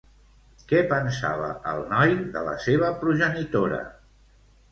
Què pensava el noi de la seva progenitora?